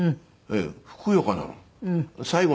ふくよかなの。